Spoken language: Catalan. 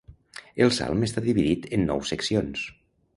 El salm està dividit en nou seccions.